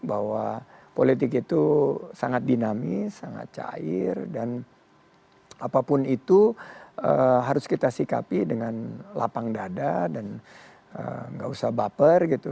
bahwa politik itu sangat dinamis sangat cair dan apapun itu harus kita sikapi dengan lapang dada dan nggak usah baper gitu